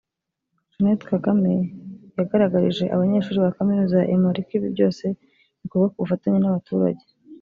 Jeannette Kagame yagaragarije aba banyeshuri ba Kaminuza ya Emory ko ibi byose bikorwa ku bufatanye n’abaturage